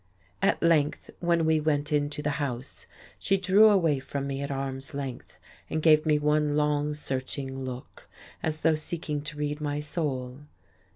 At length when we went into the house she drew away from me at arm's length and gave me one long searching look, as though seeking to read my soul.